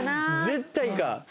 絶対か。